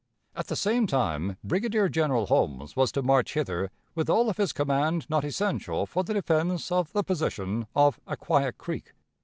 At the same time Brigadier General Holmes was to march hither with all of his command not essential for the defense of the position of Acquia Creek.